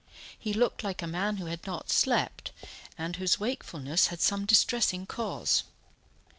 He looked like a man who had not slept, and whose wakefulness had some distressing cause.